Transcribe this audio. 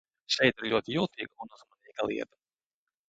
Šeit ir ļoti jutīga un uzmanīga lieta.